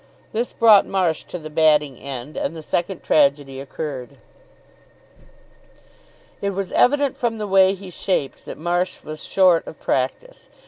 This brought Marsh to the batting end; and the second tragedy occurred. It was evident from the way he shaped that Marsh was short of practice.